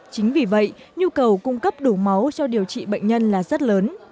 chính vì vậy nhu cầu cung cấp đủ máu cho điều trị bệnh nhân là rất lớn